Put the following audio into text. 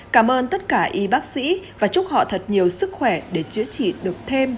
cảm ơn tất cả y bác sĩ và chúc họ thật nhiều sức khỏe để chữa trị được thêm